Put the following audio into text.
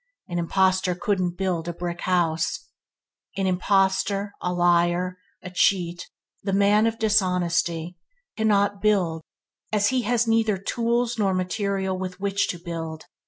An impostor couldn't built a brick house" an impostor, a liar a cheat the man of dishonesty cannot build as he has neither tools or material with which to build.